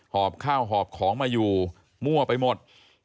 อบข้าวหอบของมาอยู่มั่วไปหมด